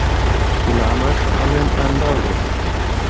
ملا مُشک عالَم اندړ وو